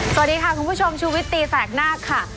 สวัสดีค่ะคุณผู้ชมชูวิตตีแสกหน้าค่ะ